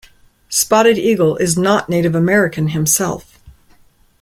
Spotted Eagle is not Native American himself.